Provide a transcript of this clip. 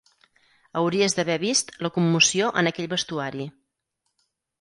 Hauries d'haver vist la commoció en aquell vestuari.